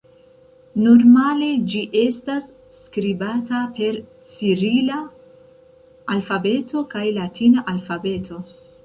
Normale ĝi estas skribata per cirila alfabeto kaj latina alfabeto.